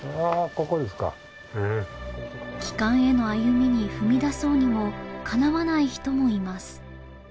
ここですかうん帰還への歩みに踏み出そうにもかなわない人もいます